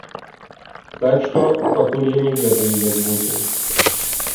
Так што, пакуль я не ведаю, як будзе.